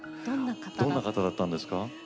どんな方だったんですか？